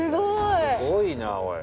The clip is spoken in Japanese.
すごいなおい。